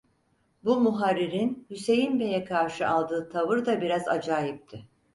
Bu muharririn Hüseyin beye karşı aldığı tavır da biraz acayipti.